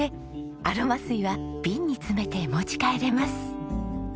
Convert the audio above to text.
アロマ水は瓶に詰めて持ち帰れます。